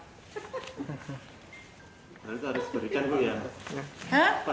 berarti harus diberikan bu ya